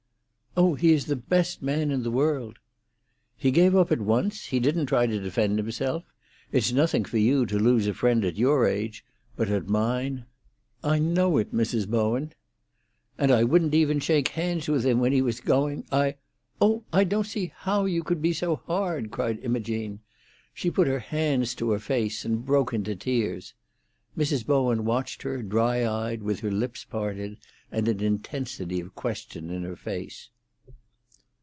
"Oh, he is the best man in the world!" "He gave up at once; he didn't try to defend himself. It's nothing for you to lose a friend at your age; but at mine——" "I know it, Mrs. Bowen." "And I wouldn't even shake hands with him when he was going; I——" "Oh, I don't see how you could be so hard!" cried Imogene. She put up her hands to her face, and broke into tears. Mrs. Bowen watched her, dry eyed, with her lips parted, and an intensity of question in her face.